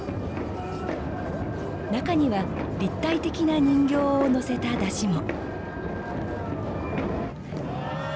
中には立体的な人形を載せた山車も。